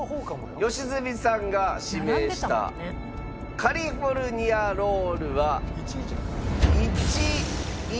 良純さんが指名したカリフォルニアＲＯＬＬは１位。